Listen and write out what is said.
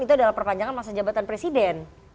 itu adalah perpanjangan masa jabatan presiden